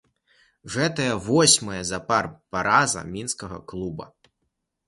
Гэтая восьмая запар параза мінскага клуба.